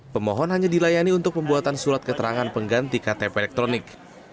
pemohon hanya dilayani untuk pembuatan surat keterangan pengganti ktp elektronik